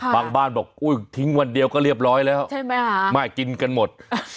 บ้านบอกอุ้ยทิ้งวันเดียวก็เรียบร้อยแล้วใช่ไหมคะไม่กินกันหมด